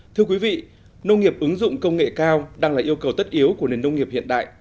thưa quý vị nông nghiệp ứng dụng công nghệ cao đang là yêu cầu tất yếu của nền nông nghiệp hiện đại